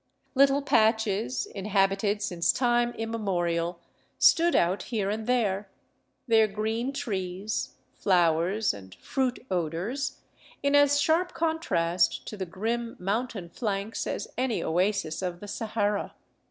Little patches, inhabited since time imme morial, stood out here and there, their green trees, flowers, and fruit odors, in as sharp contrast to the grim mountain flanks as any oasis of the Sahara.